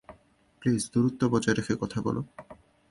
Please, দূরত্ব বজায় রেখে কথা বলো।